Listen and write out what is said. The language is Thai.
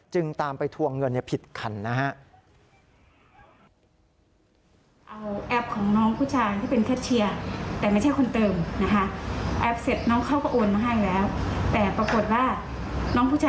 ตามไปทวงเงินผิดคันนะฮะ